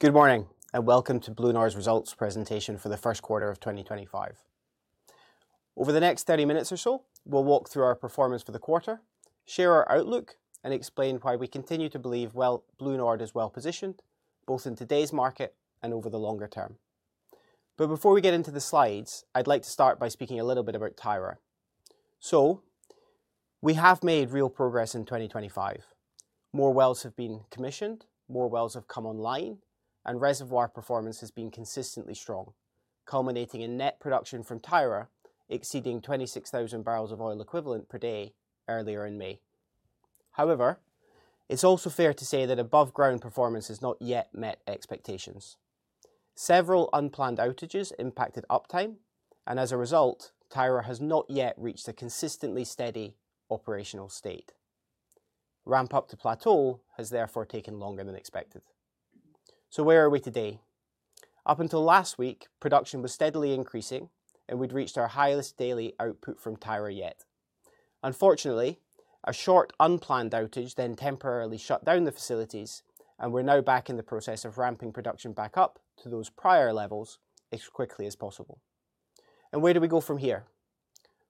Good morning, and welcome to BlueNord's results presentation for the first quarter of 2025. Over the next 30 minutes or so, we'll walk through our performance for the quarter, share our outlook, and explain why we continue to believe BlueNord is well positioned, both in today's market and over the longer term. Before we get into the slides, I'd like to start by speaking a little bit about Tyra. We have made real progress in 2025. More wells have been commissioned, more wells have come online, and reservoir performance has been consistently strong, culminating in net production from Tyra exceeding 26,000 barrels of oil equivalent per day earlier in May. However, it's also fair to say that above-ground performance has not yet met expectations. Several unplanned outages impacted uptime, and as a result, Tyra has not yet reached a consistently steady operational state. Ramp-up to plateau has therefore taken longer than expected. Where are we today? Up until last week, production was steadily increasing, and we'd reached our highest daily output from Tyra yet. Unfortunately, a short unplanned outage then temporarily shut down the facilities, and we're now back in the process of ramping production back up to those prior levels as quickly as possible. Where do we go from here?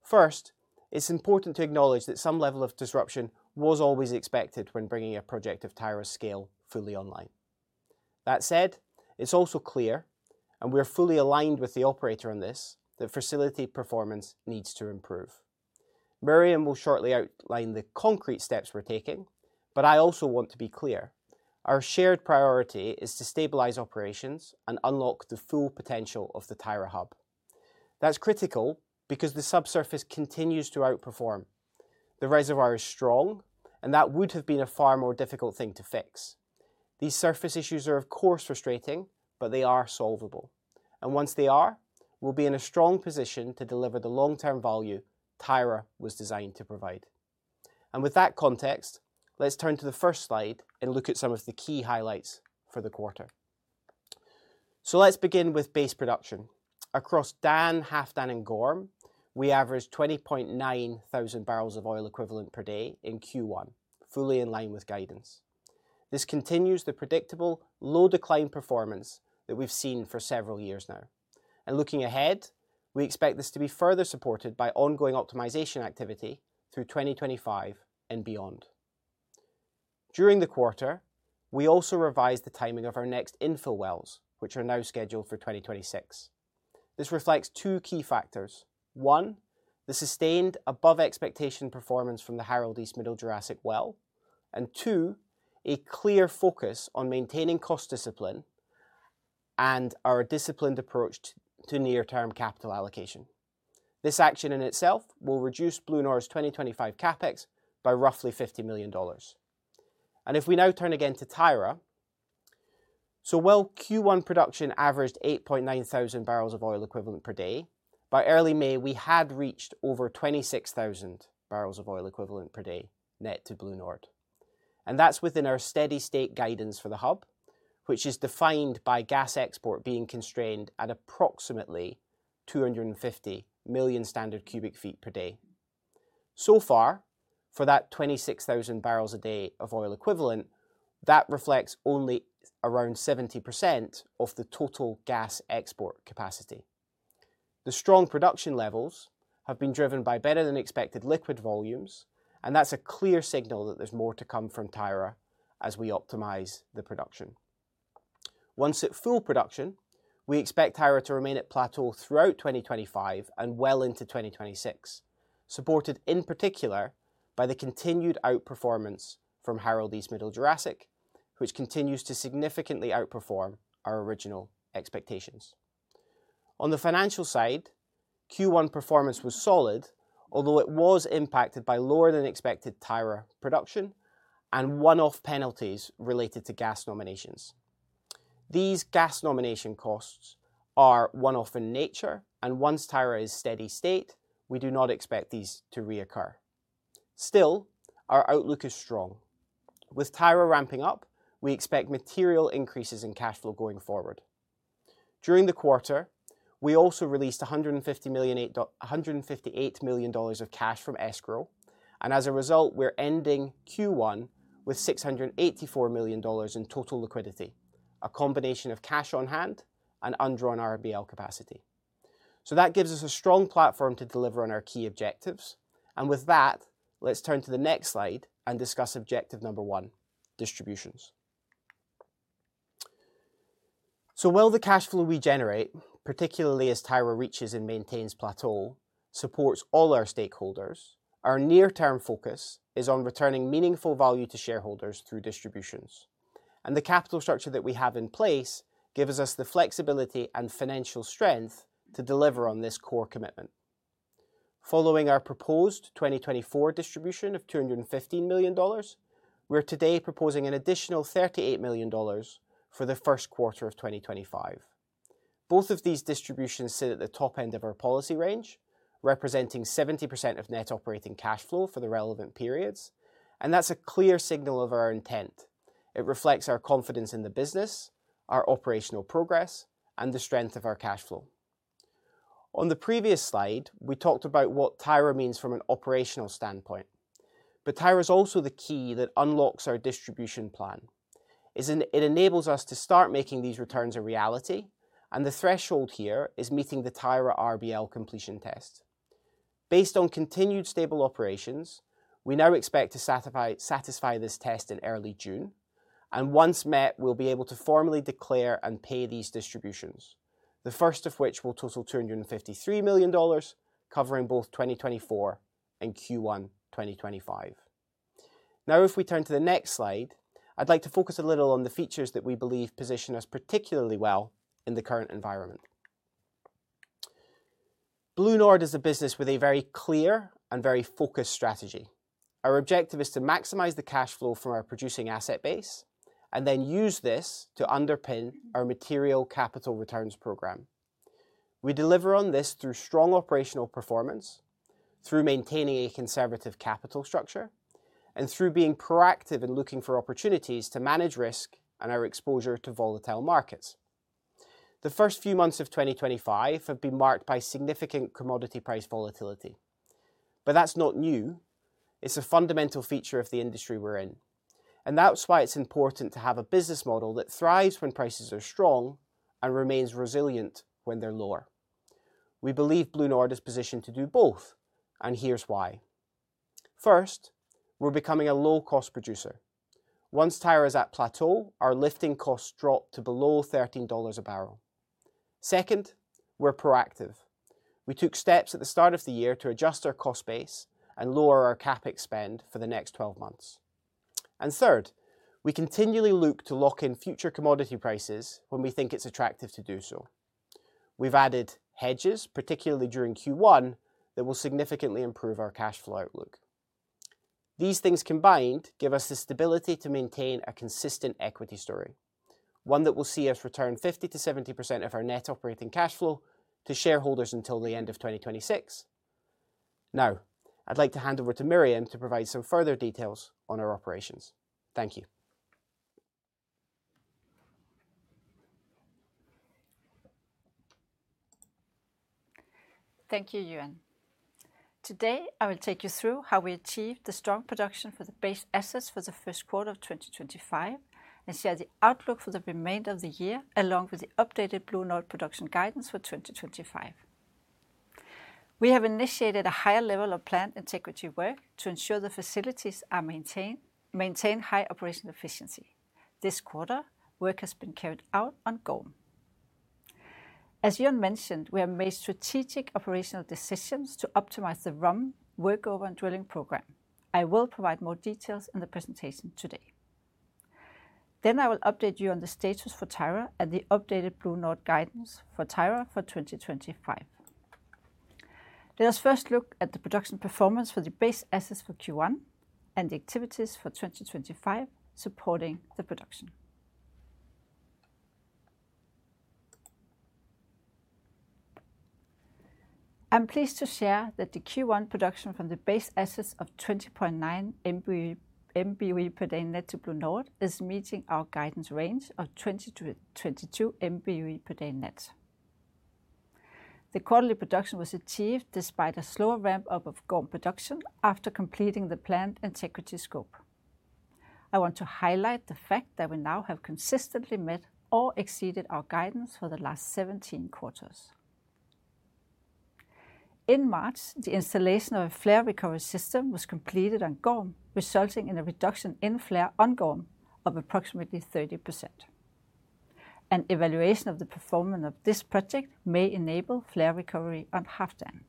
First, it's important to acknowledge that some level of disruption was always expected when bringing a project of Tyra's scale fully online. That said, it's also clear, and we're fully aligned with the operator on this, that facility performance needs to improve. Miriam will shortly outline the concrete steps we're taking, but I also want to be clear: our shared priority is to stabilize operations and unlock the full potential of the Tyra hub. That's critical because the subsurface continues to outperform. The reservoir is strong, and that would have been a far more difficult thing to fix. These surface issues are, of course, frustrating, but they are solvable. Once they are, we'll be in a strong position to deliver the long-term value Tyra was designed to provide. With that context, let's turn to the first slide and look at some of the key highlights for the quarter. Let's begin with base production. Across Dan, Halfdan, and Gorm, we averaged 20,900 barrels of oil equivalent per day in Q1, fully in line with guidance. This continues the predictable, low-decline performance that we've seen for several years now. Looking ahead, we expect this to be further supported by ongoing optimization activity through 2025 and beyond. During the quarter, we also revised the timing of our next infill wells, which are now scheduled for 2026. This reflects two key factors: one, the sustained above-expectation performance from the Harald East Middle Jurassic well, and two, a clear focus on maintaining cost discipline and our disciplined approach to near-term capital allocation. This action in itself will reduce BlueNord's 2025 CapEx by roughly $50 million. If we now turn again to Tyra, while Q1 production averaged 8,900 barrels of oil equivalent per day, by early May, we had reached over 26,000 barrels of oil equivalent per day net to BlueNord. That is within our steady-state guidance for the hub, which is defined by gas export being constrained at approximately 250 million standard cubic feet per day. For that 26,000 barrels a day of oil equivalent, that reflects only around 70% of the total gas export capacity. The strong production levels have been driven by better-than-expected liquid volumes, and that's a clear signal that there's more to come from Tyra as we optimize the production. Once at full production, we expect Tyra to remain at plateau throughout 2025 and well into 2026, supported in particular by the continued outperformance from Harald East Middle Jurassic, which continues to significantly outperform our original expectations. On the financial side, Q1 performance was solid, although it was impacted by lower-than-expected Tyra production and one-off penalties related to gas nominations. These gas nomination costs are one-off in nature, and once Tyra is steady-state, we do not expect these to reoccur. Still, our outlook is strong. With Tyra ramping up, we expect material increases in cash flow going forward. During the quarter, we also released $158 million of cash from escrow, and as a result, we're ending Q1 with $684 million in total liquidity, a combination of cash on hand and undrawn RBL capacity. That gives us a strong platform to deliver on our key objectives. With that, let's turn to the next slide and discuss objective number one, distributions. While the cash flow we generate, particularly as Tyra reaches and maintains plateau, supports all our stakeholders, our near-term focus is on returning meaningful value to shareholders through distributions. The capital structure that we have in place gives us the flexibility and financial strength to deliver on this core commitment. Following our proposed 2024 distribution of $215 million, we're today proposing an additional $38 million for the first quarter of 2025. Both of these distributions sit at the top end of our policy range, representing 70% of net operating cash flow for the relevant periods, and that's a clear signal of our intent. It reflects our confidence in the business, our operational progress, and the strength of our cash flow. On the previous slide, we talked about what Tyra means from an operational standpoint, but Tyra is also the key that unlocks our distribution plan. It enables us to start making these returns a reality, and the threshold here is meeting the Tyra RBL completion test. Based on continued stable operations, we now expect to satisfy this test in early June, and once met, we'll be able to formally declare and pay these distributions, the first of which will total $253 million, covering both 2024 and Q1 2025. Now, if we turn to the next slide, I'd like to focus a little on the features that we believe position us particularly well in the current environment. BlueNord is a business with a very clear and very focused strategy. Our objective is to maximize the cash flow from our producing asset base and then use this to underpin our material capital returns program. We deliver on this through strong operational performance, through maintaining a conservative capital structure, and through being proactive and looking for opportunities to manage risk and our exposure to volatile markets. The first few months of 2025 have been marked by significant commodity price volatility, but that's not new. It's a fundamental feature of the industry we're in, and that's why it's important to have a business model that thrives when prices are strong and remains resilient when they're lower. We believe BlueNord is positioned to do both, and here's why. First, we're becoming a low-cost producer. Once Tyra is at plateau, our lifting costs drop to below $13 a barrel. Second, we're proactive. We took steps at the start of the year to adjust our cost base and lower our CapEx spend for the next 12 months. Third, we continually look to lock in future commodity prices when we think it's attractive to do so. We've added hedges, particularly during Q1, that will significantly improve our cash flow outlook. These things combined give us the stability to maintain a consistent equity story, one that will see us return 50%-70% of our net operating cash flow to shareholders until the end of 2026. Now, I'd like to hand over to Miriam to provide some further details on our operations. Thank you. Thank you, Euan. Today, I will take you through how we achieved the strong production for the base assets for the first quarter of 2025 and share the outlook for the remainder of the year along with the updated BlueNord production guidance for 2025. We have initiated a higher level of plant integrity work to ensure the facilities are maintained and maintain high operational efficiency. This quarter, work has been carried out on Gorm. As Euan mentioned, we have made strategic operational decisions to optimize the ROM, Workover, and Drilling program. I will provide more details in the presentation today. I will update you on the status for Tyra and the updated BlueNord guidance for Tyra for 2025. Let us first look at the production performance for the base assets for Q1 and the activities for 2025 supporting the production. I'm pleased to share that the Q1 production from the base assets of 20.9 Mboe per day net to BlueNord is meeting our guidance range of 20-22 Mboe per day net. The quarterly production was achieved despite a slower ramp-up of Gorm production after completing the planned integrity scope. I want to highlight the fact that we now have consistently met or exceeded our guidance for the last 17 quarters. In March, the installation of a flare recovery system was completed on Gorm, resulting in a reduction in flare on Gorm of approximately 30%. An evaluation of the performance of this project may enable flare recovery on Halfdan.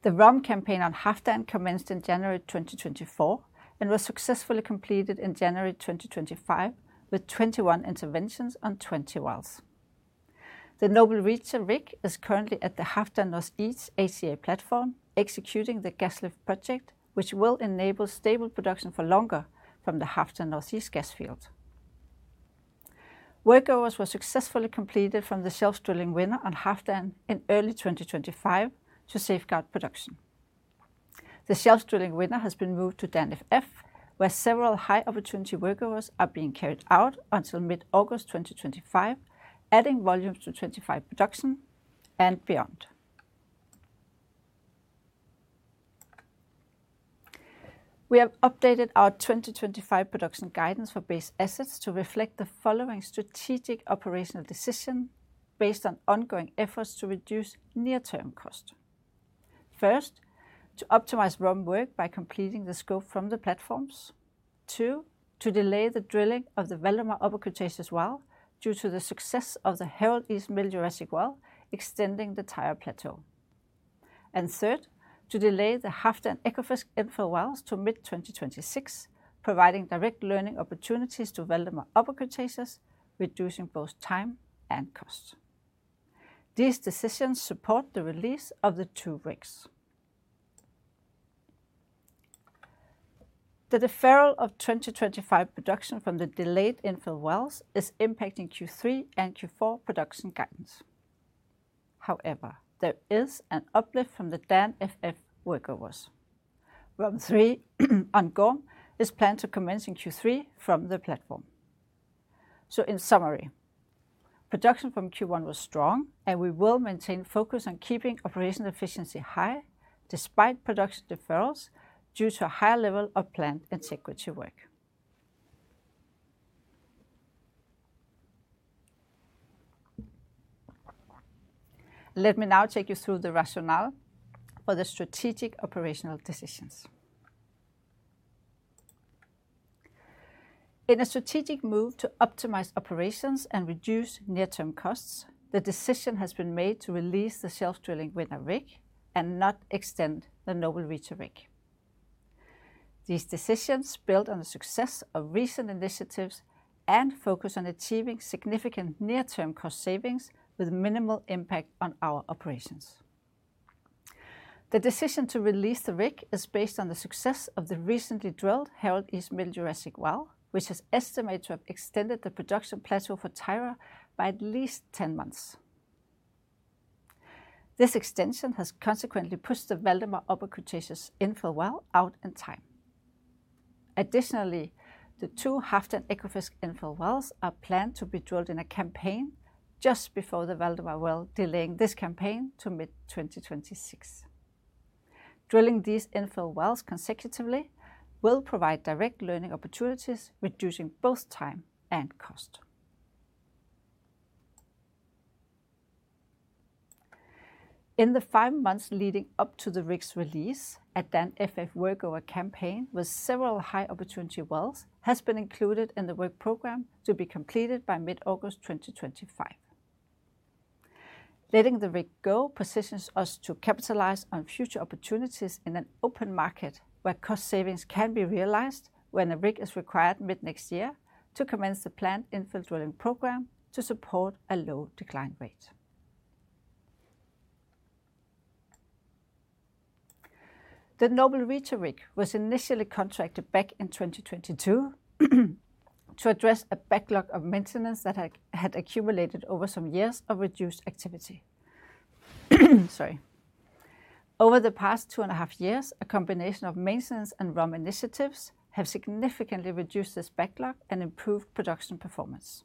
The ROM campaign on Halfdan commenced in January 2024 and was successfully completed in January 2025 with 21 interventions on 20 wells. The Noble Reacher rig is currently at the Halfdan Northeast ACA platform, executing the gas lift project, which will enable stable production for longer from the Halfdan Northeast gas field. Workovers were successfully completed from the Shelf Drilling Winner on Halfdan in early 2025 to safeguard production. The Shelf Drilling Winner has been moved to Dan FF, where several high-opportunity workovers are being carried out until mid-August 2025, adding volume to 2025 production and beyond. We have updated our 2025 production guidance for base assets to reflect the following strategic operational decision based on ongoing efforts to reduce near-term cost. First, to optimize ROM work by completing the scope from the platforms. Two, to delay the drilling of the Valdemar Upper Cretaceous well due to the success of the Harald East Middle Jurassic well, extending the Tyra plateau. Third, to delay the Halfdan Ekofisk infill wells to mid-2026, providing direct learning opportunities to Valdemar Upper Cretaceous, reducing both time and cost. These decisions support the release of the two rigs. The deferral of 2025 production from the delayed infill wells is impacting Q3 and Q4 production guidance. However, there is an uplift from the Dan FF workovers. ROM 3 on Gorm is planned to commence in Q3 from the platform. In summary, production from Q1 was strong, and we will maintain focus on keeping operational efficiency high despite production deferrals due to a higher level of planned integrity work. Let me now take you through the rationale for the strategic operational decisions. In a strategic move to optimize operations and reduce near-term costs, the decision has been made to release the Shelf Drilling Winner rig and not extend the Noble Reacher rig. These decisions build on the success of recent initiatives and focus on achieving significant near-term cost savings with minimal impact on our operations. The decision to release the rig is based on the success of the recently drilled Harald East Middle Jurassic well, which has estimated to have extended the production plateau for Tyra by at least 10 months. This extension has consequently pushed the Valdemar Upper Cretaceous infill well out in time. Additionally, the two Halfdan Ekofisk infill wells are planned to be drilled in a campaign just before the Valdemar well, delaying this campaign to mid-2026. Drilling these infill wells consecutively will provide direct learning opportunities, reducing both time and cost. In the five months leading up to the rig's release, a Dan FF workover campaign with several high-opportunity wells has been included in the work program to be completed by mid-August 2025. Letting the rig go positions us to capitalize on future opportunities in an open market where cost savings can be realized when the rig is required mid-next year to commence the planned infill drilling program to support a low decline rate. The Noble Reacher rig was initially contracted back in 2022 to address a backlog of maintenance that had accumulated over some years of reduced activity. Sorry. Over the past two and a half years, a combination of maintenance and ROM initiatives have significantly reduced this backlog and improved production performance.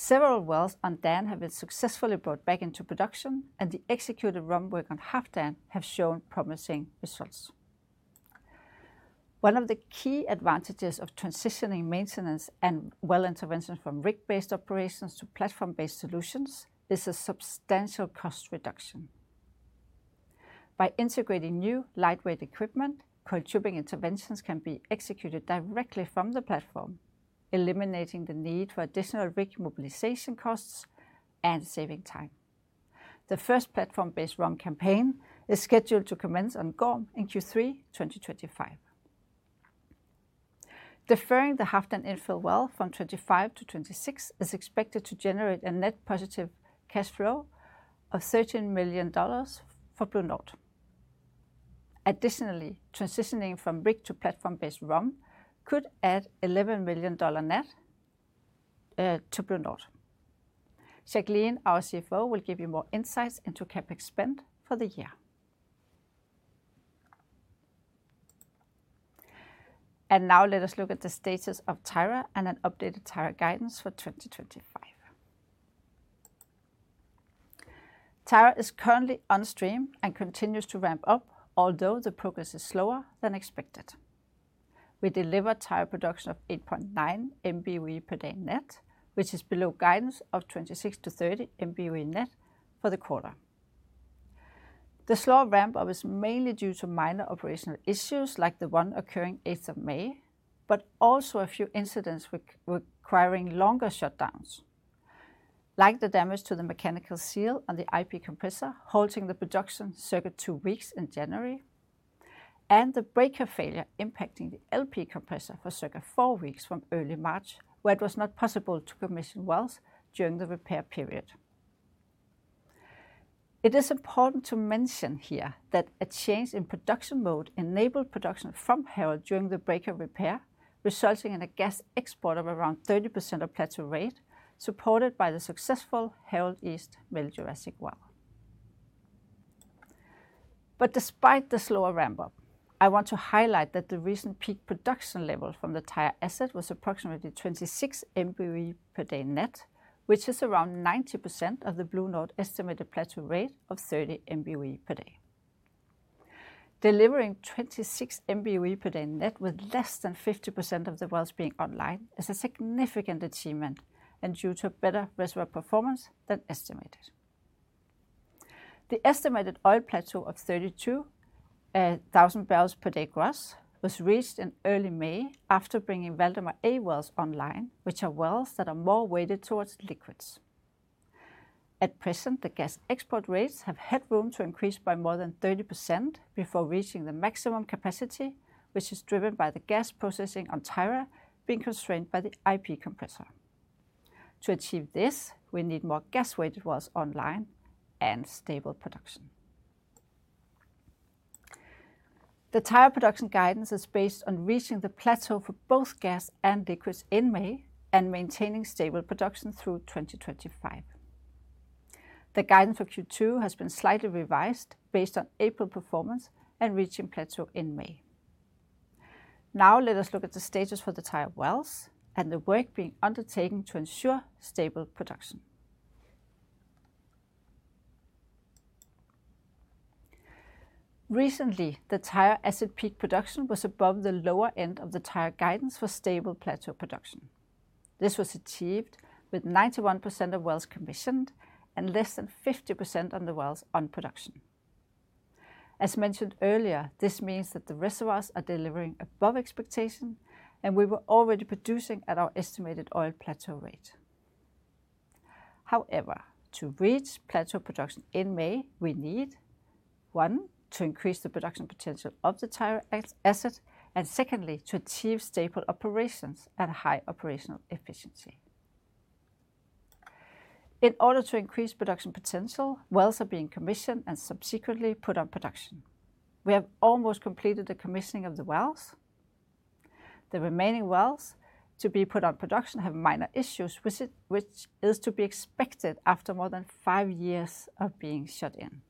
Several wells on Dan have been successfully brought back into production, and the executed ROM work on Halfdan have shown promising results. One of the key advantages of transitioning maintenance and well interventions from rig-based operations to platform-based solutions is a substantial cost reduction. By integrating new lightweight equipment, contributing interventions can be executed directly from the platform, eliminating the need for additional rig mobilization costs and saving time. The first platform-based ROM campaign is scheduled to commence on Gorm in Q3 2025. Deferring the Halfdan infill well from 2025-2026 is expected to generate a net positive cash flow of $13 million for BlueNord. Additionally, transitioning from rig to platform-based ROM could add $11 million net to BlueNord. Jacqueline, our CFO, will give you more insights into CapEx spend for the year. Let us look at the status of Tyra and an updated Tyra guidance for 2025. Tyra is currently on stream and continues to ramp up, although the progress is slower than expected. We delivered Tyra production of 8.9 Mboe per day net, which is below guidance of 26-30 Mboe net for the quarter. The slow ramp-up is mainly due to minor operational issues like the one occurring 8th of May, but also a few incidents requiring longer shutdowns, like the damage to the mechanical seal on the IP compressor holding the production circa two weeks in January, and the breaker failure impacting the LP compressor for circa four weeks from early March, where it was not possible to commission wells during the repair period. It is important to mention here that a change in production mode enabled production from Harald during the breaker repair, resulting in a gas export of around 30% of plateau rate, supported by the successful Harald East Middle Jurassic well. Despite the slower ramp-up, I want to highlight that the recent peak production level from the Tyra asset was approximately 26 Mboe per day net, which is around 90% of the BlueNord estimated plateau rate of 30 Mboe per day. Delivering 26 Mboe per day net with less than 50% of the wells being online is a significant achievement and due to better reservoir performance than estimated. The estimated oil plateau of 32,000 barrels per day gross was reached in early May after bringing Valdemar A wells online, which are wells that are more weighted towards liquids. At present, the gas export rates have had room to increase by more than 30% before reaching the maximum capacity, which is driven by the gas processing on Tyra being constrained by the IP compressor. To achieve this, we need more gas-weighted wells online and stable production. The Tyra production guidance is based on reaching the plateau for both gas and liquids in May and maintaining stable production through 2025. The guidance for Q2 has been slightly revised based on April performance and reaching plateau in May. Now let us look at the status for the Tyra wells and the work being undertaken to ensure stable production. Recently, the Tyra asset peak production was above the lower end of the Tyra guidance for stable plateau production. This was achieved with 91% of wells commissioned and less than 50% of the wells on production. As mentioned earlier, this means that the reservoirs are delivering above expectation, and we were already producing at our estimated oil plateau rate. However, to reach plateau production in May, we need, one, to increase the production potential of the Tyra asset, and secondly, to achieve stable operations and high operational efficiency. In order to increase production potential, wells are being commissioned and subsequently put on production. We have almost completed the commissioning of the wells. The remaining wells to be put on production have minor issues, which is to be expected after more than five years of being shut in.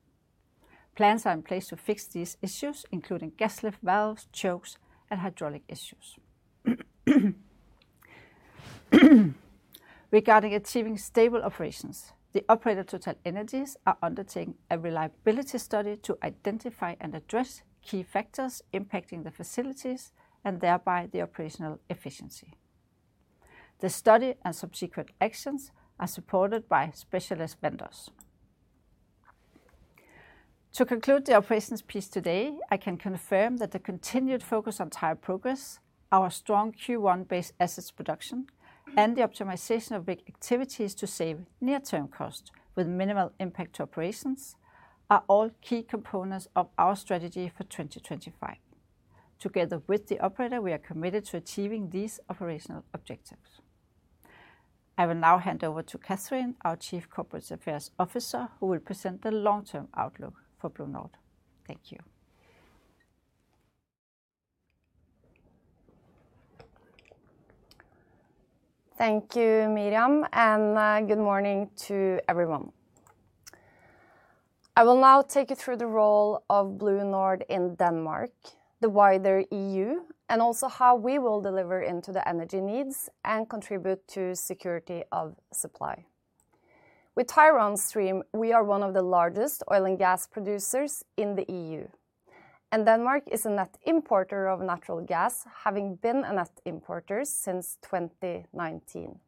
Plans are in place to fix these issues, including gas lift valves, chokes, and hydraulic issues. Regarding achieving stable operations, the operator TotalEnergies are undertaking a reliability study to identify and address key factors impacting the facilities and thereby the operational efficiency. The study and subsequent actions are supported by specialist vendors. To conclude the operations piece today, I can confirm that the continued focus on Tyra progress, our strong Q1-based assets production, and the optimization of big activities to save near-term cost with minimal impact to operations are all key components of our strategy for 2025. Together with the operator, we are committed to achieving these operational objectives. I will now hand over to Cathrine, our Chief Corporate Affairs Officer, who will present the long-term outlook for BlueNord. Thank you. Thank you, Miriam, and good morning to everyone. I will now take you through the role of BlueNord in Denmark, the wider E.U., and also how we will deliver into the energy needs and contribute to security of supply. With Tyra on stream, we are one of the largest oil and gas producers in the E.U., and Denmark is a net importer of natural gas, having been a net importer since 2019.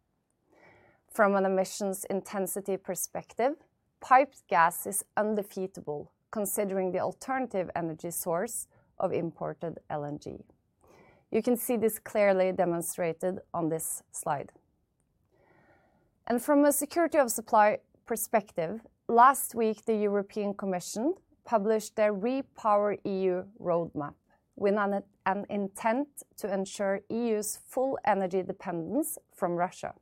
From an emissions intensity perspective, piped gas is undefeatable, considering the alternative energy source of imported LNG. You can see this clearly demonstrated on this slide. From a security of supply perspective, last week, the European Commission published their RePowerEU roadmap with an intent to ensure E.U.'s full energy dependence from Russia.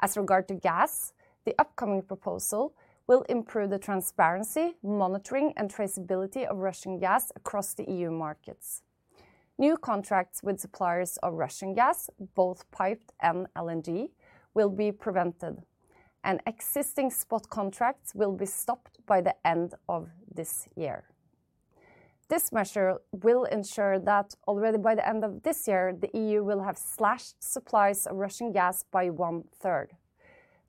As regard to gas, the upcoming proposal will improve the transparency, monitoring, and traceability of Russian gas across the E.U. markets. New contracts with suppliers of Russian gas, both piped and LNG, will be prevented, and existing spot contracts will be stopped by the end of this year. This measure will ensure that already by the end of this year, the E.U. will have slashed supplies of Russian gas by one-third.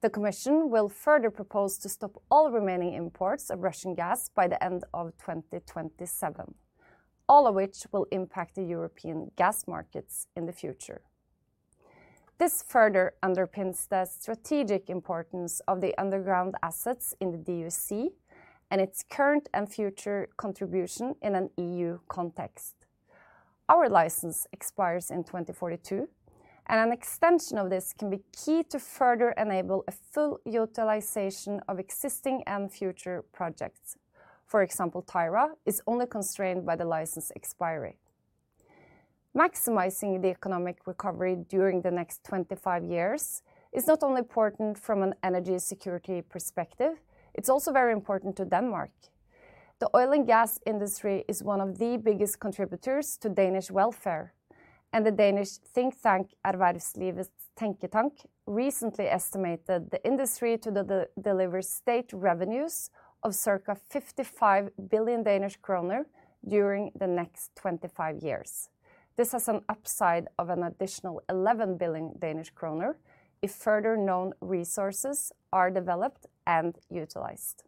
The Commission will further propose to stop all remaining imports of Russian gas by the end of 2027, all of which will impact the European gas markets in the future. This further underpins the strategic importance of the underground assets in the DUC and its current and future contribution in an E.U. context. Our license expires in 2042, and an extension of this can be key to further enable a full utilization of existing and future projects. For example, Tyra is only constrained by the license expiry. Maximizing the economic recovery during the next 25 years is not only important from an energy security perspective, it's also very important to Denmark. The oil and gas industry is one of the biggest contributors to Danish welfare, and the Danish think tank Erhvervslivets Tænketank recently estimated the industry to deliver state revenues of circa 55 billion Danish kroner during the next 25 years. This has an upside of an additional 11 billion Danish kroner if further known resources are developed and utilized.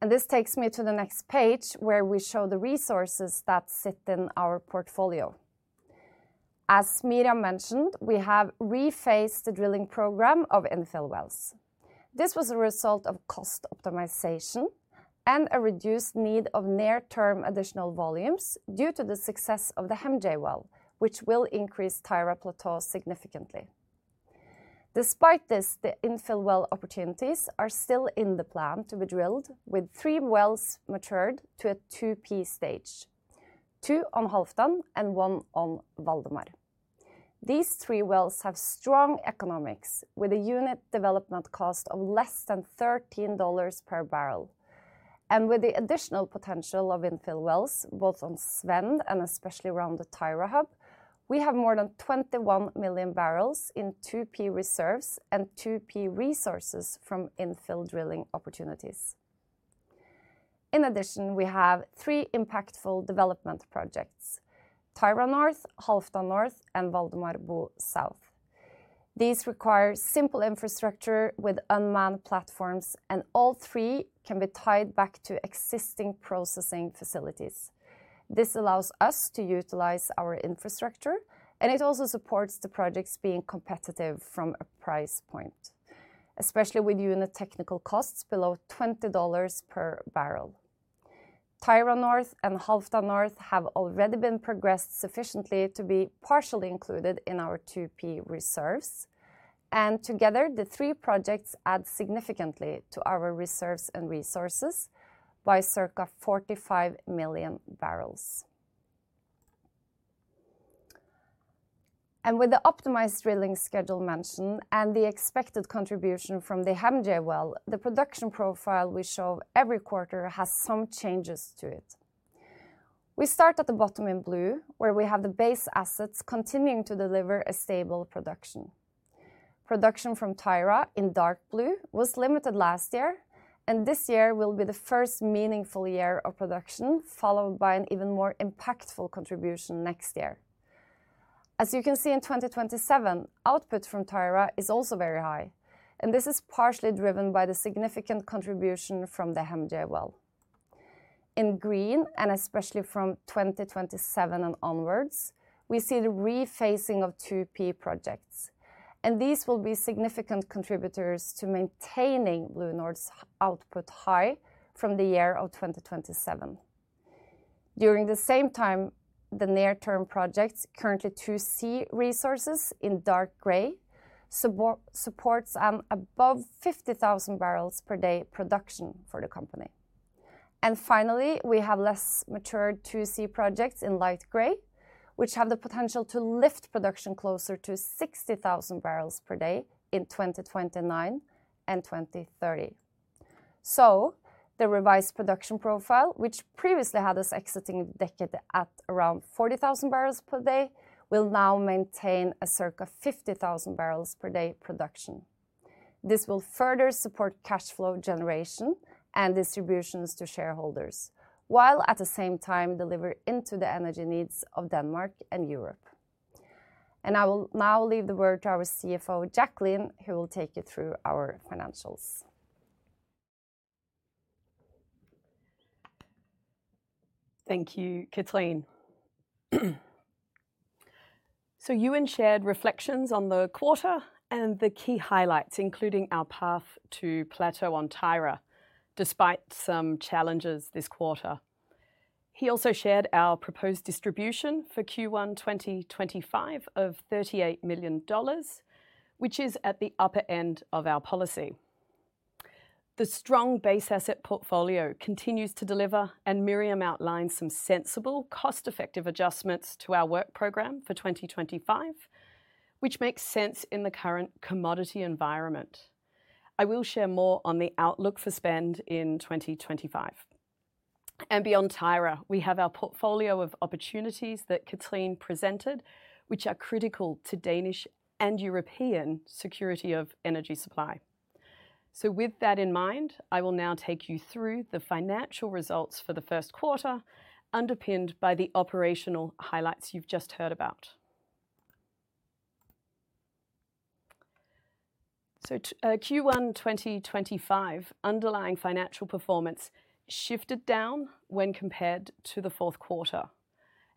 This takes me to the next page, where we show the resources that sit in our portfolio. As Miriam mentioned, we have refaced the drilling program of infill wells. This was a result of cost optimization and a reduced need of near-term additional volumes due to the success of the Hemdjæwel, which will increase Tyra plateau significantly. Despite this, the infill well opportunities are still in the plan to be drilled, with three wells matured to a 2P stage, two on Halfdan and one on Valdemar. These three wells have strong economics with a unit development cost of less than $13 per barrel. With the additional potential of infill wells, both on Svend and especially around the Tyra hub, we have more than 21 million barrels in 2P reserves and 2P resources from infill drilling opportunities. In addition, we have three impactful development projects: Tyra North, Halfdan North, and Valdemar Bo. South. These require simple infrastructure with unmanned platforms, and all three can be tied back to existing processing facilities. This allows us to utilize our infrastructure, and it also supports the projects being competitive from a price point, especially with unit technical costs below $20 per barrel. Tyra North and Halfdan North have already been progressed sufficiently to be partially included in our 2P reserves, and together, the three projects add significantly to our reserves and resources by circa 45 million barrels. With the optimized drilling schedule mentioned and the expected contribution from the Hemdjæwel, the production profile we show every quarter has some changes to it. We start at the bottom in blue, where we have the base assets continuing to deliver a stable production. Production from Tyra in dark blue was limited last year, and this year will be the first meaningful year of production, followed by an even more impactful contribution next year. As you can see in 2027, output from Tyra is also very high, and this is partially driven by the significant contribution from the Halfdan field. In green, and especially from 2027 and onwards, we see the refacing of 2P projects, and these will be significant contributors to maintaining BlueNord's output high from the year of 2027. During the same time, the near-term projects, currently 2C resources in dark gray, support an above 50,000 barrels per day production for the company. Finally, we have less matured 2C projects in light gray, which have the potential to lift production closer to 60,000 barrels per day in 2029 and 2030. The revised production profile, which previously had us exiting the decade at around 40,000 barrels per day, will now maintain a circa 50,000 barrels per day production. This will further support cash flow generation and distributions to shareholders, while at the same time deliver into the energy needs of Denmark and Europe. I will now leave the word to our CFO, Jacqueline, who will take you through our financials. Thank you, Cathrine. Euan shared reflections on the quarter and the key highlights, including our path to plateau on Tyra, despite some challenges this quarter. He also shared our proposed distribution for Q1 2025 of $38 million, which is at the upper end of our policy. The strong base asset portfolio continues to deliver, and Miriam outlined some sensible, cost-effective adjustments to our work program for 2025, which makes sense in the current commodity environment. I will share more on the outlook for Svend in 2025. Beyond Tyra, we have our portfolio of opportunities that Cathrine presented, which are critical to Danish and European security of energy supply. With that in mind, I will now take you through the financial results for the first quarter, underpinned by the operational highlights you've just heard about. Q1 2025 underlying financial performance shifted down when compared to the fourth quarter.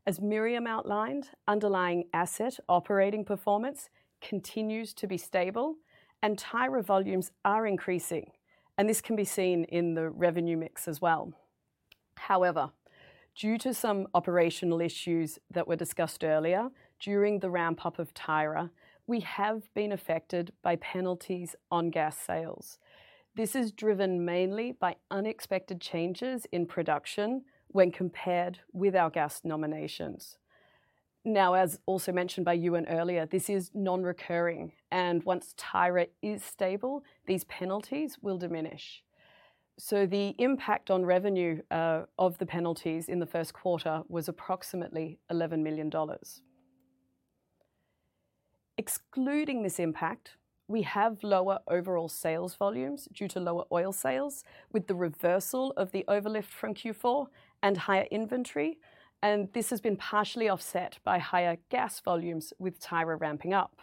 As Miriam outlined, underlying asset operating performance continues to be stable, and Tyra volumes are increasing, and this can be seen in the revenue mix as well. However, due to some operational issues that were discussed earlier during the ramp-up of Tyra, we have been affected by penalties on gas sales. This is driven mainly by unexpected changes in production when compared with our gas nominations. Now, as also mentioned by Euan earlier, this is non-recurring, and once Tyra is stable, these penalties will diminish. The impact on revenue of the penalties in the first quarter was approximately $11 million. Excluding this impact, we have lower overall sales volumes due to lower oil sales, with the reversal of the overlift from Q4 and higher inventory, and this has been partially offset by higher gas volumes with Tyra ramping up.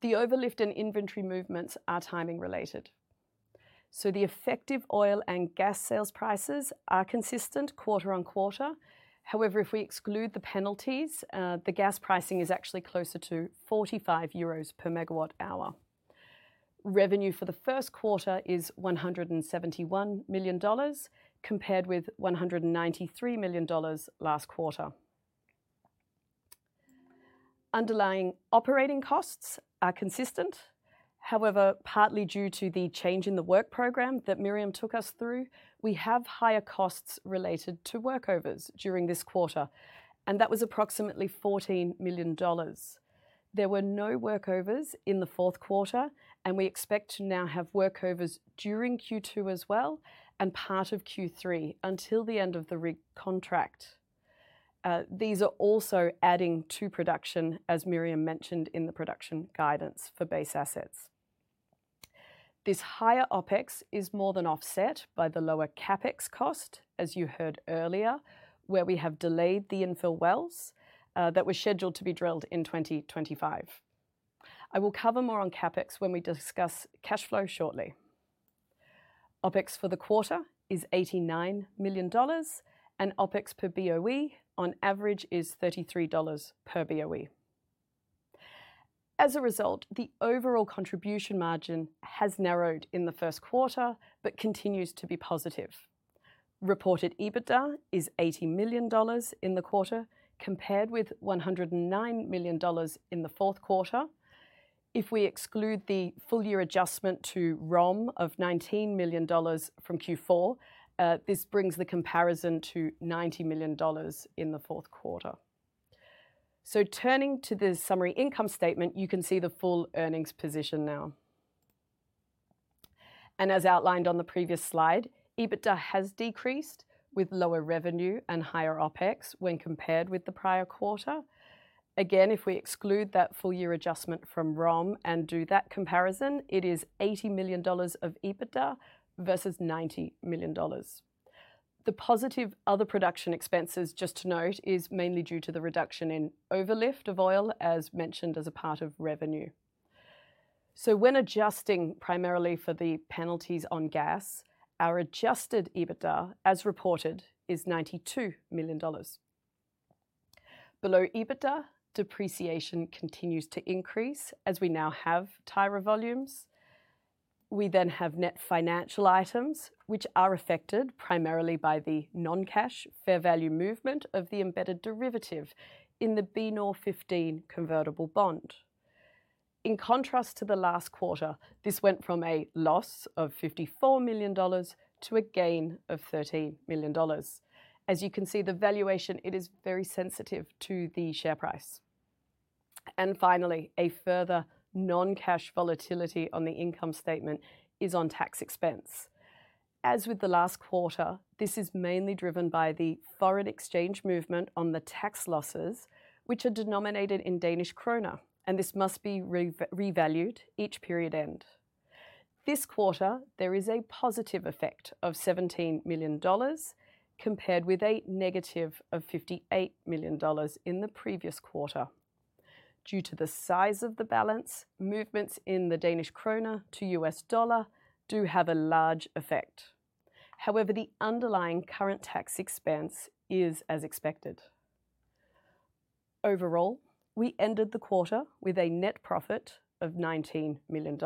The overlift and inventory movements are timing-related. The effective oil and gas sales prices are consistent quarter on quarter. However, if we exclude the penalties, the gas pricing is actually closer to 45 euros per megawatt hour. Revenue for the first quarter is $171 million compared with $193 million last quarter. Underlying operating costs are consistent. However, partly due to the change in the work program that Miriam took us through, we have higher costs related to workovers during this quarter, and that was approximately $14 million. There were no workovers in the fourth quarter, and we expect to now have workovers during Q2 as well and part of Q3 until the end of the rig contract. These are also adding to production, as Miriam mentioned in the production guidance for base assets. This higher OPEX is more than offset by the lower CapEx cost, as you heard earlier, where we have delayed the infill wells that were scheduled to be drilled in 2025. I will cover more on CapEx when we discuss cash flow shortly. OPEX for the quarter is $89 million, and OPEX per boe on average is $33 per boe. As a result, the overall contribution margin has narrowed in the first quarter but continues to be positive. Reported EBITDA is $80 million in the quarter, compared with $109 million in the fourth quarter. If we exclude the full year adjustment to ROM of $19 million from Q4, this brings the comparison to $90 million in the fourth quarter. Turning to the summary income statement, you can see the full earnings position now. As outlined on the previous slide, EBITDA has decreased with lower revenue and higher OPEX when compared with the prior quarter. Again, if we exclude that full year adjustment from ROM and do that comparison, it is $80 million of EBITDA versus $90 million. The positive other production expenses, just to note, is mainly due to the reduction in overlift of oil, as mentioned as a part of revenue. When adjusting primarily for the penalties on gas, our adjusted EBITDA, as reported, is $92 million. Below EBITDA, depreciation continues to increase as we now have Tyra volumes. We then have net financial items, which are affected primarily by the non-cash fair value movement of the embedded derivative in the BNOR15 convertible bond. In contrast to the last quarter, this went from a loss of $54 million to a gain of $30 million. As you can see, the valuation, it is very sensitive to the share price. Finally, a further non-cash volatility on the income statement is on tax expense. As with the last quarter, this is mainly driven by the foreign exchange movement on the tax losses, which are denominated in Danish Kroner, and this must be revalued each period end. This quarter, there is a positive effect of $17 million compared with a negative of $58 million in the previous quarter. Due to the size of the balance, movements in the Danish Kroner to U.S. dollar do have a large effect. However, the underlying current tax expense is as expected. Overall, we ended the quarter with a net profit of $19 million.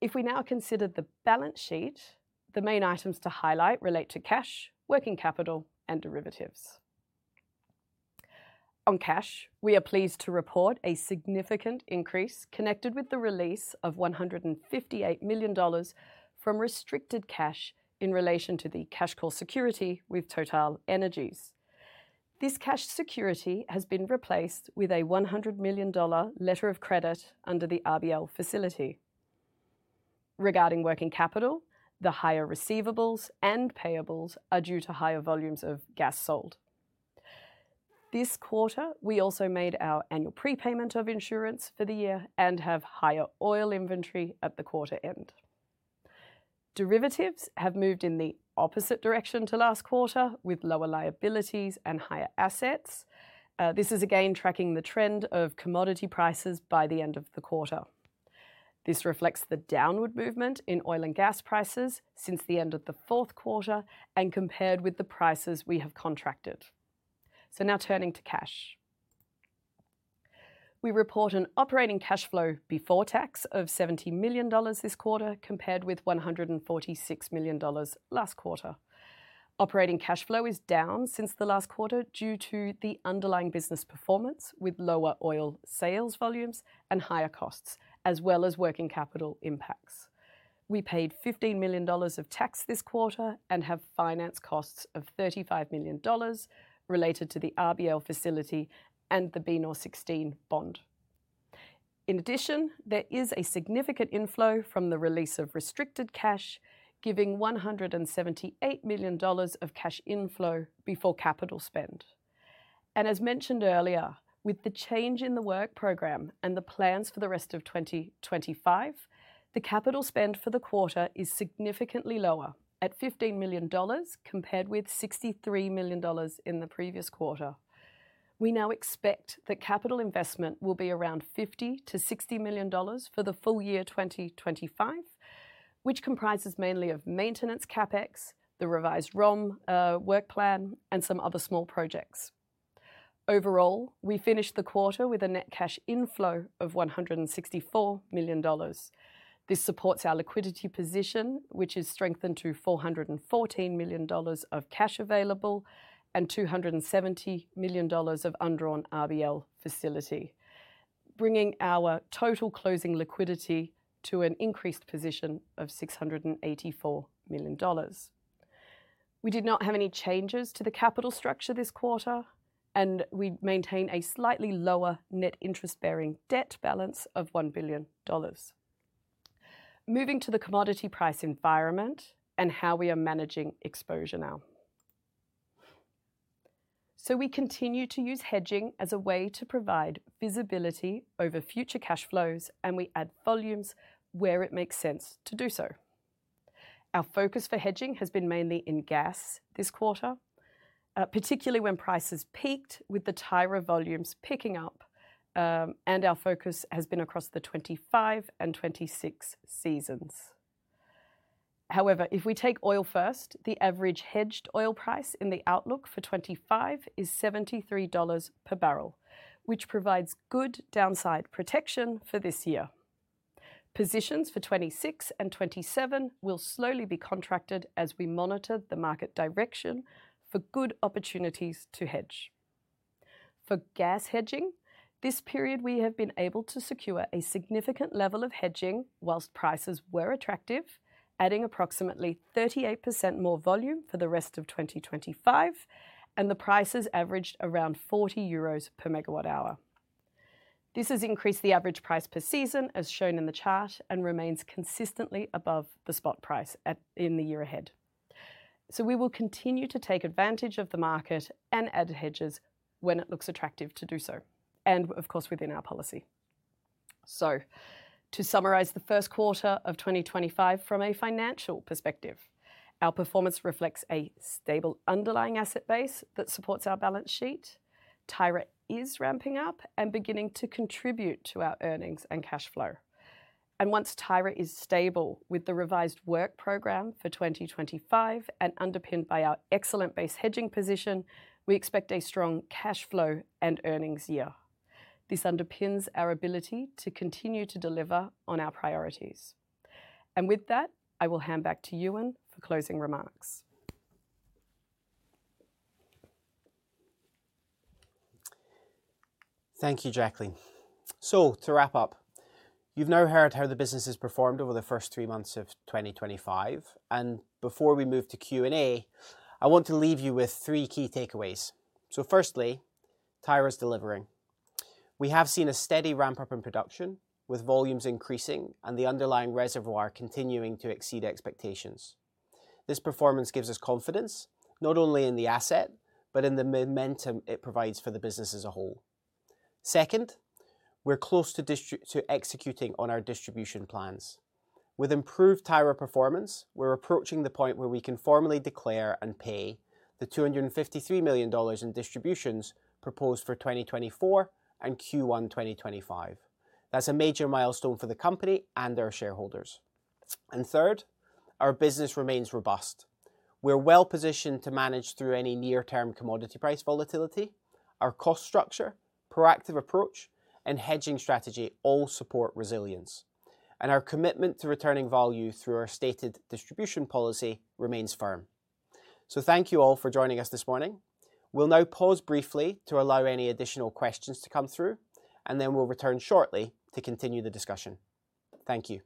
If we now consider the balance sheet, the main items to highlight relate to cash, working capital, and derivatives. On cash, we are pleased to report a significant increase connected with the release of $158 million from restricted cash in relation to the cash call security with TotalEnergies. This cash security has been replaced with a $100 million letter of credit under the RBL facility. Regarding working capital, the higher receivables and payables are due to higher volumes of gas sold. This quarter, we also made our annual prepayment of insurance for the year and have higher oil inventory at the quarter end. Derivatives have moved in the opposite direction to last quarter, with lower liabilities and higher assets. This is again tracking the trend of commodity prices by the end of the quarter. This reflects the downward movement in oil and gas prices since the end of the fourth quarter and compared with the prices we have contracted. Now turning to cash. We report an operating cash flow before tax of $70 million this quarter compared with $146 million last quarter. Operating cash flow is down since the last quarter due to the underlying business performance with lower oil sales volumes and higher costs, as well as working capital impacts. We paid $15 million of tax this quarter and have finance costs of $35 million related to the RBL facility and the BNOR16 bond. In addition, there is a significant inflow from the release of restricted cash, giving $178 million of cash inflow before capital spend. As mentioned earlier, with the change in the work program and the plans for the rest of 2025, the capital spend for the quarter is significantly lower at $15 million compared with $63 million in the previous quarter. We now expect that capital investment will be around $50-$60 million for the full year 2025, which comprises mainly of maintenance CapEx, the revised ROM work plan, and some other small projects. Overall, we finished the quarter with a net cash inflow of $164 million. This supports our liquidity position, which is strengthened to $414 million of cash available and $270 million of undrawn RBL facility, bringing our total closing liquidity to an increased position of $684 million. We did not have any changes to the capital structure this quarter, and we maintain a slightly lower net interest-bearing debt balance of $1 billion. Moving to the commodity price environment and how we are managing exposure now. We continue to use hedging as a way to provide visibility over future cash flows, and we add volumes where it makes sense to do so. Our focus for hedging has been mainly in gas this quarter, particularly when prices peaked, with the Tyra volumes picking up, and our focus has been across the 2025 and 2026 seasons. However, if we take oil first, the average hedged oil price in the outlook for 2025 is $73 per barrel, which provides good downside protection for this year. Positions for 2026 and 2027 will slowly be contracted as we monitor the market direction for good opportunities to hedge. For gas hedging, this period we have been able to secure a significant level of hedging whilst prices were attractive, adding approximately 38% more volume for the rest of 2025, and the prices averaged around 40 euros per megawatt hour. This has increased the average price per season, as shown in the chart, and remains consistently above the spot price in the year ahead. We will continue to take advantage of the market and add hedges when it looks attractive to do so, and of course within our policy. To summarise the first quarter of 2025 from a financial perspective, our performance reflects a stable underlying asset base that supports our balance sheet. Tyra is ramping up and beginning to contribute to our earnings and cash flow. Once Tyra is stable with the revised work program for 2025 and underpinned by our excellent base hedging position, we expect a strong cash flow and earnings year. This underpins our ability to continue to deliver on our priorities. With that, I will hand back to Euan for closing remarks. Thank you, Jacqueline. To wrap up, you've now heard how the business has performed over the first three months of 2025. Before we move to Q&A, I want to leave you with three key takeaways. Firstly, Tyra's delivering. We have seen a steady ramp-up in production, with volumes increasing and the underlying reservoir continuing to exceed expectations. This performance gives us confidence, not only in the asset, but in the momentum it provides for the business as a whole. Second, we're close to executing on our distribution plans. With improved Tyra performance, we're approaching the point where we can formally declare and pay the $253 million in distributions proposed for 2024 and Q1 2025. That is a major milestone for the company and our shareholders. Third, our business remains robust. We're well positioned to manage through any near-term commodity price volatility. Our cost structure, proactive approach, and hedging strategy all support resilience. Our commitment to returning value through our stated distribution policy remains firm. Thank you all for joining us this morning. We'll now pause briefly to allow any additional questions to come through, and then we'll return shortly to continue the discussion. Thank you.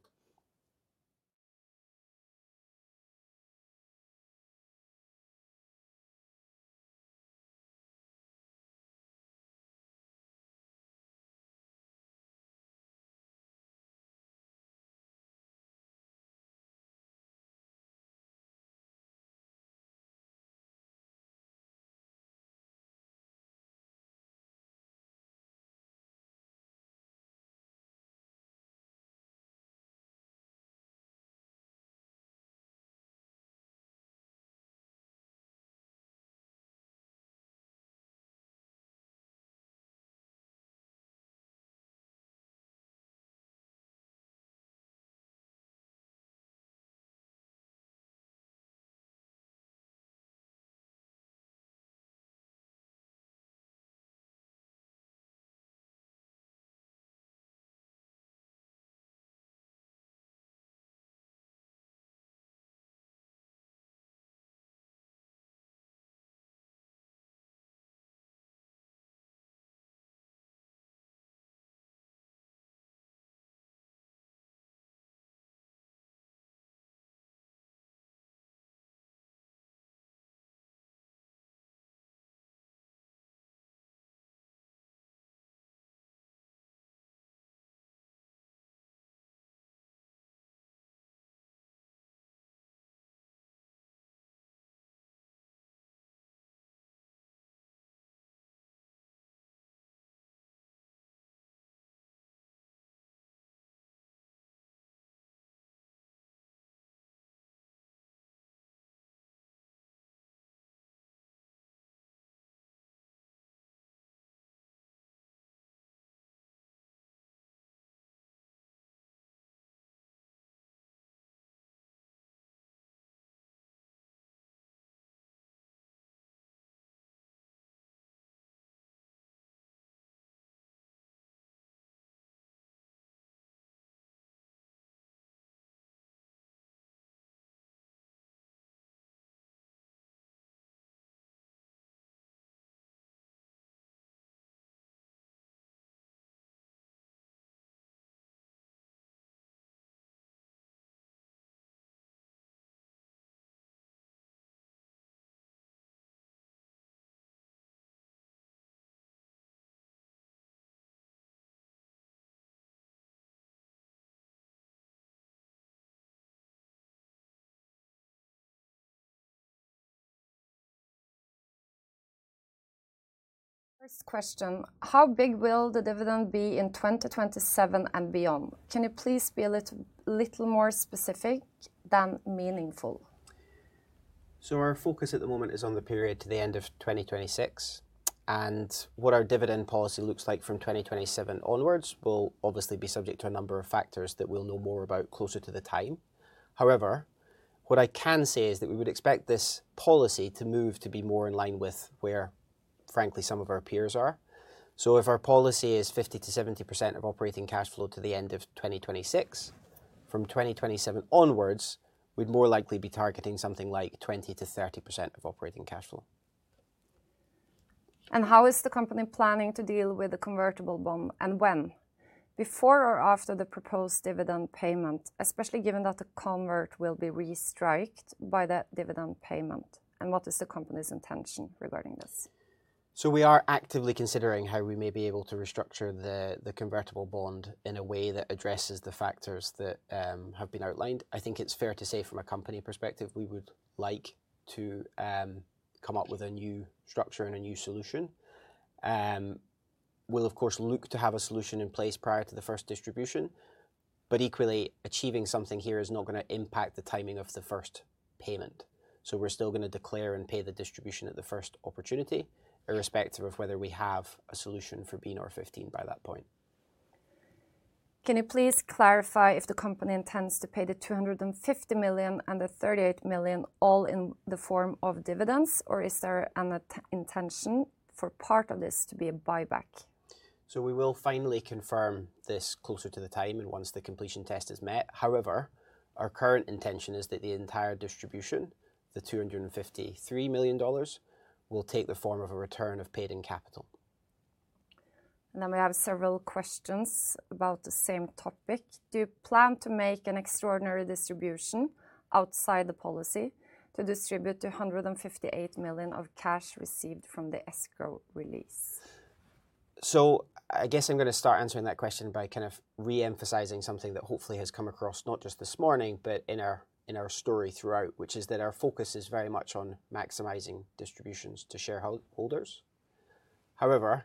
First question: How big will the dividend be in 2027 and beyond? Can you please be a little more specific than meaningful? Our focus at the moment is on the period to the end of 2026, and what our dividend policy looks like from 2027 onwards will obviously be subject to a number of factors that we'll know more about closer to the time. However, what I can say is that we would expect this policy to move to be more in line with where, frankly, some of our peers are. If our policy is 50-70% of operating cash flow to the end of 2026, from 2027 onwards, we'd more likely be targeting something like 20-30% of operating cash flow. How is the company planning to deal with the convertible bond and when? Before or after the proposed dividend payment, especially given that the convert will be restriked by the dividend payment? What is the company's intention regarding this? We are actively considering how we may be able to restructure the convertible bond in a way that addresses the factors that have been outlined. I think it is fair to say from a company perspective, we would like to come up with a new structure and a new solution. We will, of course, look to have a solution in place prior to the first distribution, but equally, achieving something here is not going to impact the timing of the first payment. We are still going to declare and pay the distribution at the first opportunity, irrespective of whether we have a solution for BNOR15 by that point. Can you please clarify if the company intends to pay the $250 million and the $38 million all in the form of dividends, or is there an intention for part of this to be a buyback? We will finally confirm this closer to the time and once the completion test is met. However, our current intention is that the entire distribution, the $253 million, will take the form of a return of paid-in capital. We have several questions about the same topic. Do you plan to make an extraordinary distribution outside the policy to distribute the $158 million of cash received from the escrow release? I guess I'm going to start answering that question by kind of re-emphasizing something that hopefully has come across not just this morning, but in our story throughout, which is that our focus is very much on maximizing distributions to shareholders. However,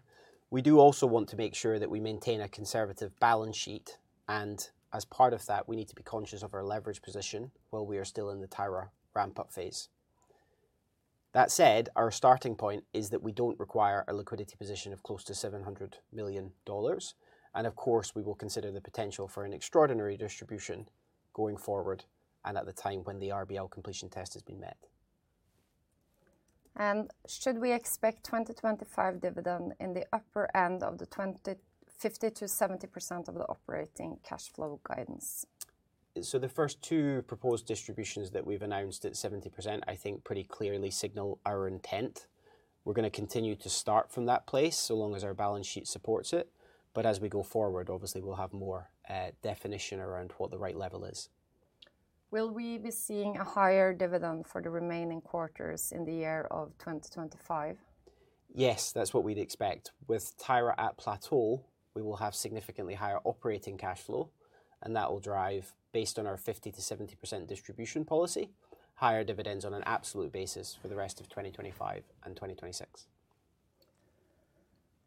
we do also want to make sure that we maintain a conservative balance sheet, and as part of that, we need to be conscious of our leverage position while we are still in the Tyra ramp-up phase. That said, our starting point is that we do not require a liquidity position of close to $700 million, and of course, we will consider the potential for an extraordinary distribution going forward and at the time when the RBL completion test has been met. Should we expect 2025 dividend in the upper end of the 50-70% of the operating cash flow guidance? The first two proposed distributions that we have announced at 70%, I think pretty clearly signal our intent. We are going to continue to start from that place so long as our balance sheet supports it. As we go forward, obviously, we'll have more definition around what the right level is. Will we be seeing a higher dividend for the remaining quarters in the year of 2025? Yes, that's what we'd expect. With Tyra at plateau, we will have significantly higher operating cash flow, and that will drive, based on our 50%-70% distribution policy, higher dividends on an absolute basis for the rest of 2025 and 2026.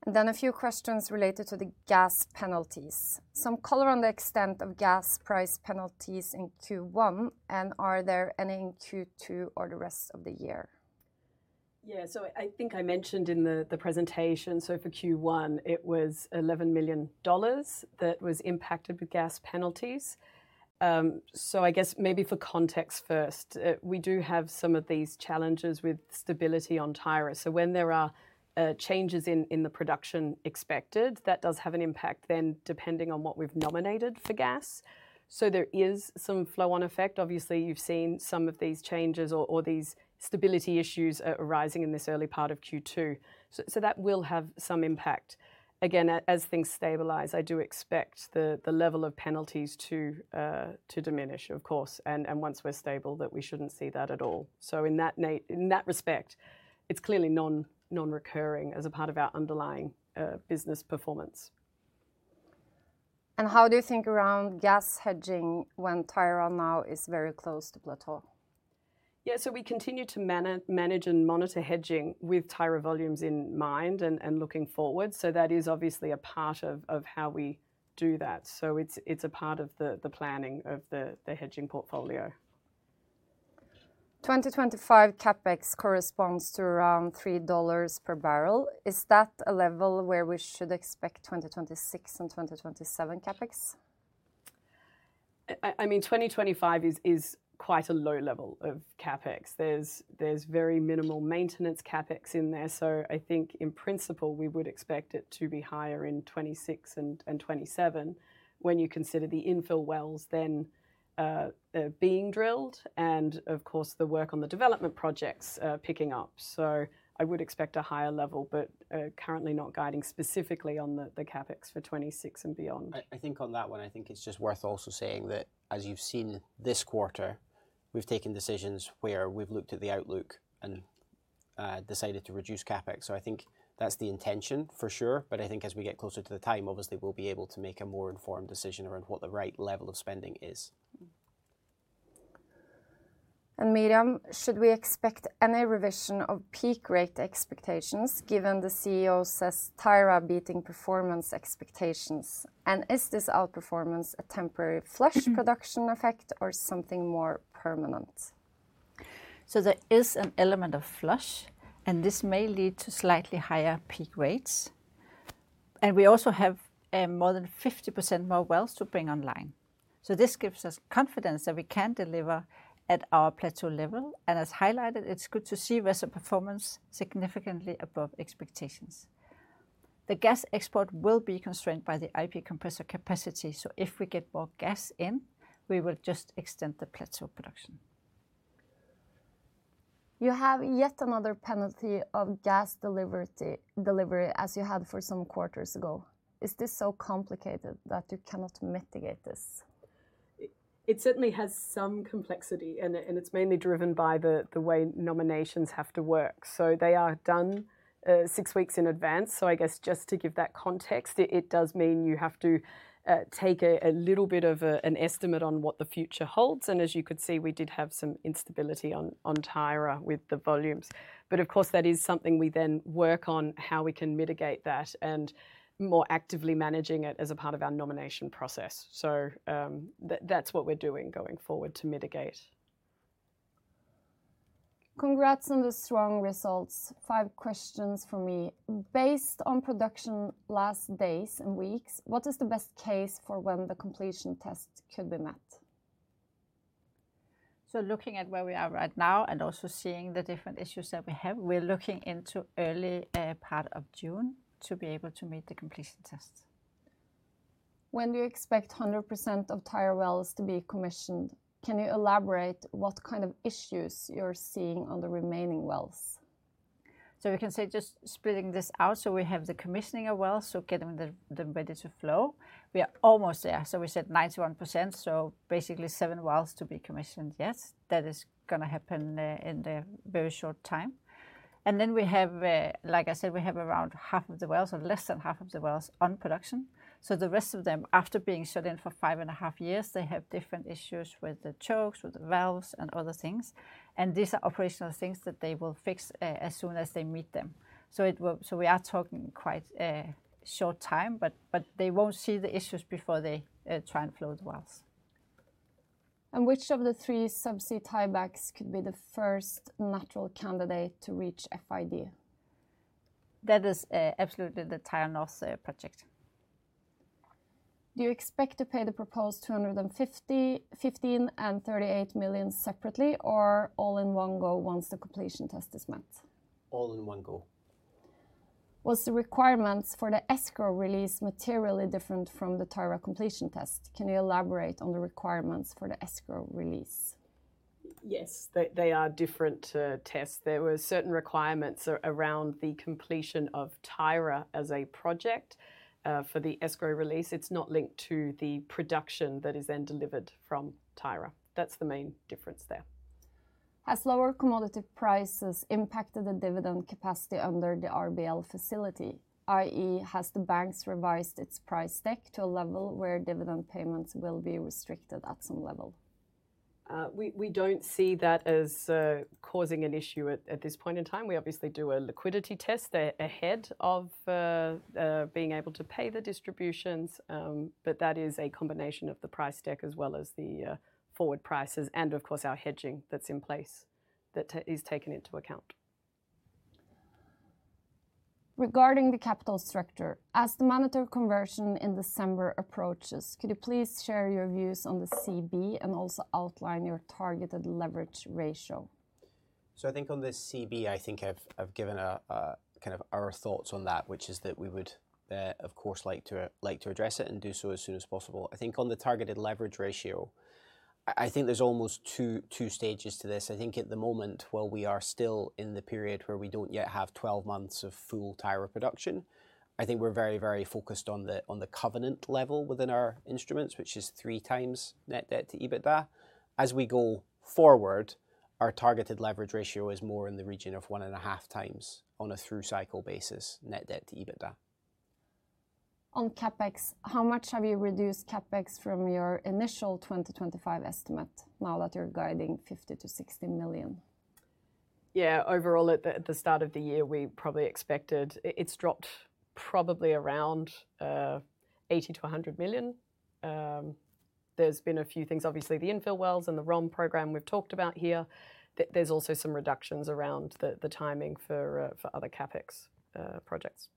A few questions related to the gas penalties. Some color on the extent of gas price penalties in Q1, and are there any in Q2 or the rest of the year? Yeah, I think I mentioned in the presentation, for Q1, it was $11 million that was impacted with gas penalties. I guess maybe for context first, we do have some of these challenges with stability on Tyra. When there are changes in the production expected, that does have an impact then depending on what we've nominated for gas. There is some flow-on effect. Obviously, you've seen some of these changes or these stability issues arising in this early part of Q2. That will have some impact. Again, as things stabilize, I do expect the level of penalties to diminish, of course, and once we're stable, that we shouldn't see that at all. In that respect, it's clearly non-recurring as a part of our underlying business performance. How do you think around gas hedging when Tyra now is very close to plateau? Yeah, we continue to manage and monitor hedging with Tyra volumes in mind and looking forward. That is obviously a part of how we do that. It's a part of the planning of the hedging portfolio. 2025 CapEx corresponds to around $3 per barrel. Is that a level where we should expect 2026 and 2027 CapEx? I mean, 2025 is quite a low level of CapEx. There's very minimal maintenance CapEx in there. I think in principle, we would expect it to be higher in 2026 and 2027 when you consider the infill wells then being drilled and, of course, the work on the development projects picking up. I would expect a higher level, but currently not guiding specifically on the CapEx for 2026 and beyond. I think on that one, I think it's just worth also saying that as you've seen this quarter, we've taken decisions where we've looked at the outlook and decided to reduce CapEx. I think that's the intention for sure, but I think as we get closer to the time, obviously, we'll be able to make a more informed decision around what the right level of spending is. Miriam, should we expect any revision of peak rate expectations given the CEO says Tyra beating performance expectations? Is this outperformance a temporary flush production effect or something more permanent? There is an element of flush, and this may lead to slightly higher peak rates. We also have more than 50% more wells to bring online. This gives us confidence that we can deliver at our plateau level. As highlighted, it's good to see reserve performance significantly above expectations. The gas export will be constrained by the IP compressor capacity. If we get more gas in, we will just extend the plateau production. You have yet another penalty of gas delivery as you had for some quarters ago. Is this so complicated that you cannot mitigate this? It certainly has some complexity, and it's mainly driven by the way nominations have to work. They are done six weeks in advance. I guess just to give that context, it does mean you have to take a little bit of an estimate on what the future holds. As you could see, we did have some instability on Tyra with the volumes. Of course, that is something we then work on how we can mitigate that and more actively managing it as a part of our nomination process. That's what we're doing going forward to mitigate. Congrats on the strong results. Five questions for me. Based on production last days and weeks, what is the best case for when the completion test could be met? Looking at where we are right now and also seeing the different issues that we have, we're looking into early part of June to be able to meet the completion test. When do you expect 100% of Tyra wells to be commissioned? Can you elaborate what kind of issues you're seeing on the remaining wells? We can say just splitting this out. We have the commissioning of wells, so getting them ready to flow. We are almost there. We said 91%, so basically seven wells to be commissioned yet. That is going to happen in a very short time. We have, like I said, around half of the wells or less than half of the wells on production. The rest of them, after being shut in for five and a half years, have different issues with the chokes, with the valves, and other things. These are operational things that they will fix as soon as they meet them. We are talking quite a short time, but they will not see the issues before they try and flow the wells. Which of the three subsea Tyra could be the first natural candidate to reach FID? That is absolutely the Tyra Northshire project. Do you expect to pay the proposed $250 million, $15 million, and $38 million separately or all in one go once the completion test is met? All in one go. Were the requirements for the escrow release materially different from the Tyra completion test? Can you elaborate on the requirements for the escrow release? Yes, they are different tests. There were certain requirements around the completion of Tyra as a project for the escrow release. It is not linked to the production that is then delivered from Tyra. That is the main difference there. Has lower commodity prices impacted the dividend capacity under the RBL facility, i.e., has the banks revised its price stack to a level where dividend payments will be restricted at some level? We do not see that as causing an issue at this point in time. We obviously do a liquidity test ahead of being able to pay the distributions, but that is a combination of the price stack as well as the forward prices and, of course, our hedging that is in place that is taken into account. Regarding the capital structure, as the monetary conversion in December approaches, could you please share your views on the CB and also outline your targeted leverage ratio? I think on the CB, I think I've given kind of our thoughts on that, which is that we would, of course, like to address it and do so as soon as possible. I think on the targeted leverage ratio, I think there's almost two stages to this. I think at the moment, while we are still in the period where we don't yet have 12 months of full Tyra production, I think we're very, very focused on the covenant level within our instruments, which is three times net debt to EBITDA. As we go forward, our targeted leverage ratio is more in the region of one and a half times on a through cycle basis, net debt to EBITDA. On CapEx, how much have you reduced CapEx from your initial 2025 estimate now that you're guiding $50-$60 million? Yeah, overall, at the start of the year, we probably expected it to drop probably around $80-$100 million. There's been a few things, obviously, the infill wells and the ROM program we've talked about here. There's also some reductions around the timing for other CapEx projects.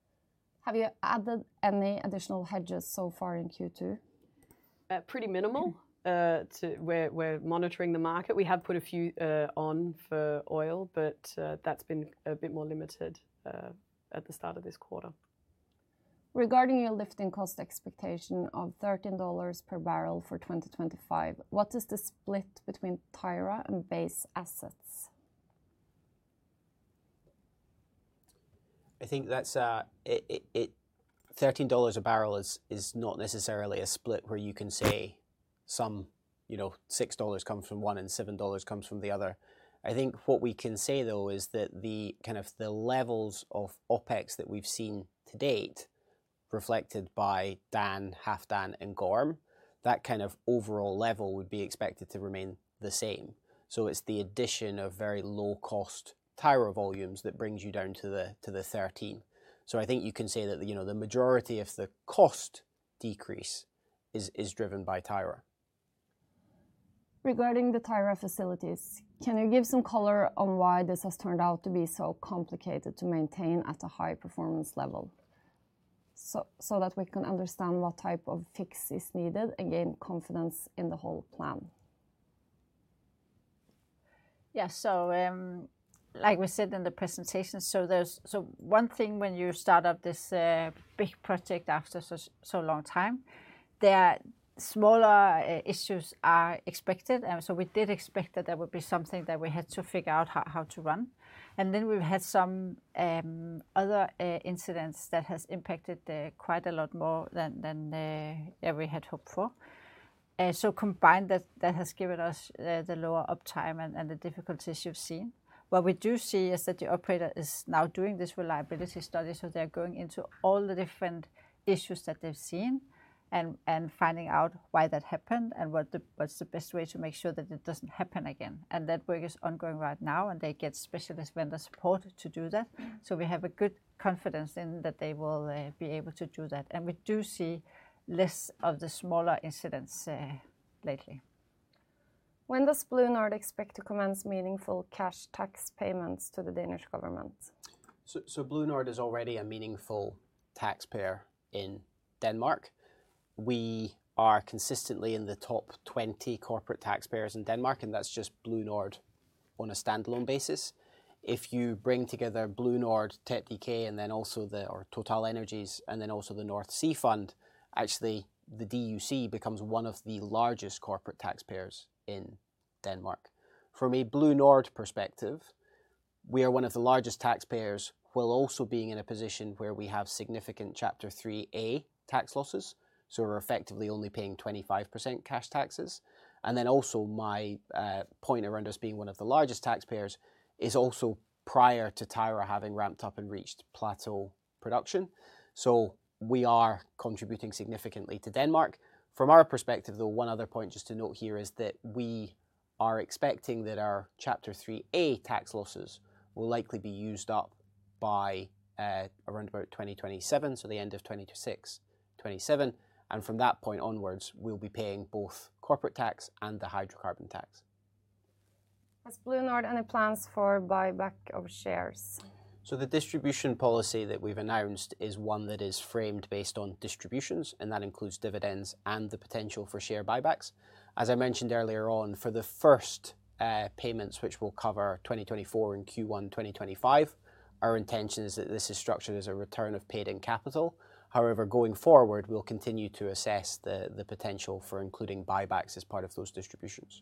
Have you added any additional hedges so far in Q2? Pretty minimal. We're monitoring the market. We have put a few on for oil, but that's been a bit more limited at the start of this quarter. Regarding your lifting cost expectation of $13 per barrel for 2025, what is the split between Tyra and base assets? I think that $13 a barrel is not necessarily a split where you can say some, you know, $6 comes from one and $7 comes from the other. I think what we can say, though, is that the kind of the levels of OPEX that we've seen to date reflected by Dan, Halfdan, and Gorm, that kind of overall level would be expected to remain the same. It's the addition of very low-cost Tyra volumes that brings you down to the $13. I think you can say that, you know, the majority of the cost decrease is driven by Tyra. Regarding the Tyra facilities, can you give some color on why this has turned out to be so complicated to maintain at a high performance level so that we can understand what type of fix is needed and gain confidence in the whole plan? Yeah, like we said in the presentation, there's one thing when you start up this big project after such a long time, smaller issues are expected. We did expect that there would be something that we had to figure out how to run. We have had some other incidents that have impacted quite a lot more than we had hoped for. Combined, that has given us the lower uptime and the difficulties you have seen. What we do see is that the operator is now doing this reliability study. They are going into all the different issues that they have seen and finding out why that happened and what is the best way to make sure that it does not happen again. That work is ongoing right now, and they get specialist vendor support to do that. We have good confidence that they will be able to do that. We do see less of the smaller incidents lately. When does BlueNord expect to commence meaningful cash tax payments to the Danish government? BlueNord is already a meaningful taxpayer in Denmark. We are consistently in the top 20 corporate taxpayers in Denmark, and that is just BlueNord on a standalone basis. If you bring together BlueNord, TETEK, and then also TotalEnergies, and then also the North Sea Fund, actually the DUC becomes one of the largest corporate taxpayers in Denmark. From a BlueNord perspective, we are one of the largest taxpayers, while also being in a position where we have significant Chapter 3A tax losses. We are effectively only paying 25% cash taxes. My point around us being one of the largest taxpayers is also prior to Tyra having ramped up and reached plateau production. We are contributing significantly to Denmark. From our perspective, though, one other point just to note here is that we are expecting that our Chapter 3A tax losses will likely be used up by around about 2027, so the end of 2026, 2027. From that point onwards, we'll be paying both corporate tax and the hydrocarbon tax. Has BlueNord any plans for buyback of shares? The distribution policy that we've announced is one that is framed based on distributions, and that includes dividends and the potential for share buybacks. As I mentioned earlier on, for the first payments, which will cover 2024 and Q1 2025, our intention is that this is structured as a return of paid-in capital. However, going forward, we'll continue to assess the potential for including buybacks as part of those distributions.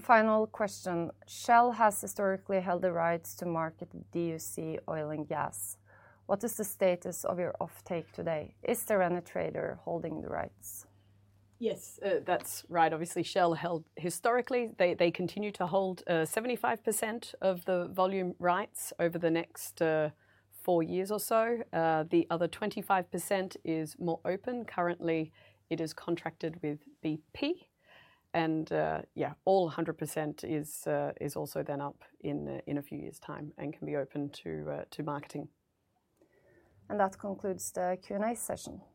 Final question. Shell has historically held the rights to market DUC oil and gas. What is the status of your offtake today? Is there any trader holding the rights? Yes, that's right. Obviously, Shell held historically. They continue to hold 75% of the volume rights over the next four years or so. The other 25% is more open. Currently, it is contracted with BP. Yeah, all 100% is also then up in a few years' time and can be open to marketing. That concludes the Q&A session. Thank you.